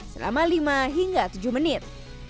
selama lima hingga tujuh menit